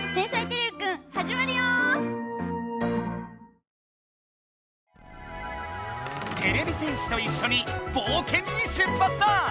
てれび戦士といっしょにぼうけんに出発だ！